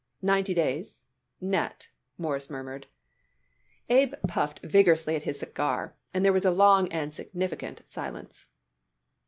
"Ninety days, net," Morris murmured. Abe puffed vigorously at his cigar, and there was a long and significant silence.